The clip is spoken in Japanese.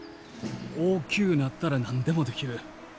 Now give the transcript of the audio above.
大きゅうなったら何でもできる。